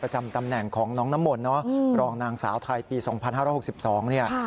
ประจำตำแหน่งของน้องน้ำมนเนอะรองนางเสาไทยปีสองพันห้าร้อยหกสิบสองเนี่ย